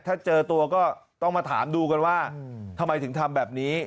ถ้าเจอตัวก็ต้องมาถามดูกันว่าทำไมถึงทำแบบนี้